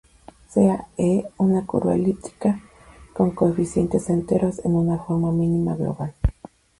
Sea E una curva elíptica con coeficientes enteros en una forma mínima global.